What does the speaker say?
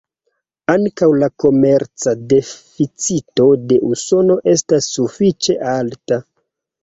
Ankaŭ la komerca deficito de Usono estas sufiĉe alta.